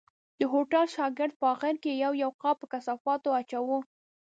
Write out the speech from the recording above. د هوټل شاګرد په آخر کې یو یو قاب په کثافاتو اچاوه.